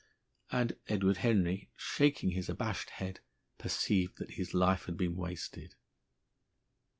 _" And Edward Henry, shaking his abashed head, perceived that his life had been wasted.